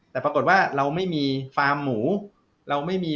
แต่ปรากฏว่าเราไม่มี